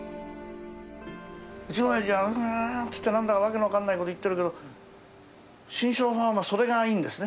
うちの親父は「うん」つって何だか訳の分かんないこと言ってるけど志ん生ファンはそれがいいんですね。